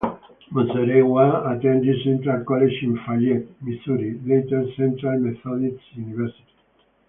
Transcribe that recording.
Muzorewa attended Central College in Fayette, Missouri, later Central Methodist University.